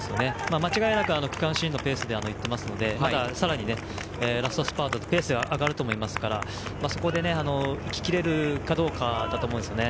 間違いなく、区間新のペースで行っているのでまだ、さらにラストスパートでペースが上がると思いますから行き切れるかどうかだと思います。